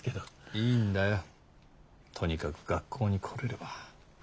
いいんだよとにかく学校に来れれば。